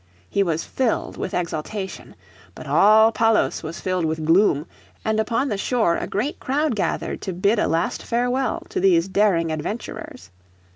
He was filled with exaltation. But all Palos was filled with gloom, and upon the shore a great crowd gathered to bid a last farewell to these daring adventurers.